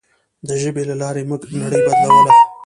د ژبې له لارې موږ نړۍ بدلوله.